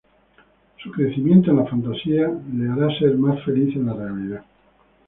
Su crecimiento en la fantasía le hará ser más feliz en la realidad.